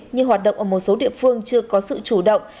như hoạt động ở một số địa phương chưa có sự chủ động